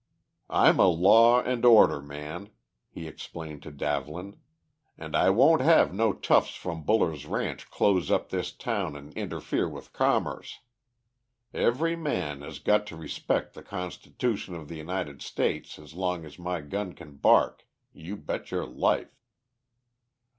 "I'm a law and order man," he explained to Davlin, "and I won't have no toughs from Buller's ranch close up this town and interfere with commerce. Every man has got to respect the Constitution of the United States as long as my gun can bark, you bet your life!"